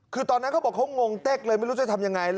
คือตอนนั้นเขาบอกเขางงเต๊กเลยไม่รู้จะทำยังไง